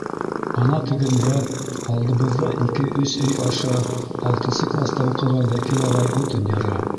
— Ана тегендә, алдыбыҙҙа ике-өс өй аша алтынсы класта уҡыған Вәкил ағай утын яра.